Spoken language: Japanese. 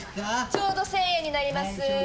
ちょうど１，０００円になります。